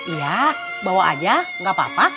iya bawa aja nggak apa apa